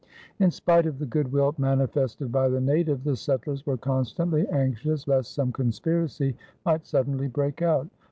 In spite of the goodwill manifested by the natives, the settlers were constantly anxious lest some conspiracy might suddenly break out.